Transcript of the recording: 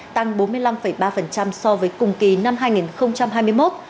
tăng bốn mươi năm ba so với cùng kỳ năm hai nghìn hai mươi một